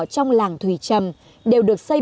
trong làng thùy trầm đều được xây